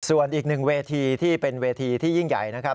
ส่วนอีกหนึ่งเวทีที่เป็นเวทีที่ยิ่งใหญ่นะครับ